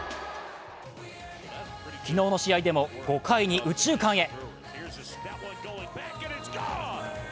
昨日の試合でも４回に右中間へ。